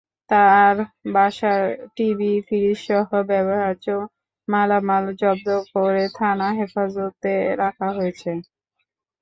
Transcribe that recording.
তাঁর বাসার টিভি, ফ্রিজসহ ব্যবহার্য মালামাল জব্দ করে থানা হেফাজতে রাখা হয়েছে।